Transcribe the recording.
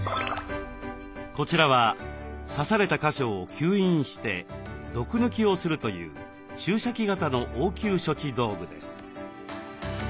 こちらは刺された箇所を吸引して毒抜きをするという注射器型の応急処置道具です。